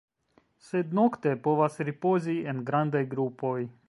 Sed nokte povas ripozi en grandaj grupoj.